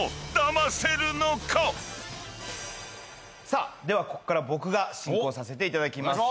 さあではここから僕が進行させていただきます。